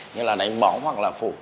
như là đánh bóng hoặc là phủ